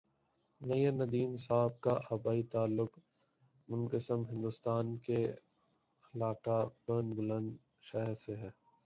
نیّرندیم صاحب کا آبائی تعلق منقسم ہندوستان کے علاقہ برن بلند شہر سے ہے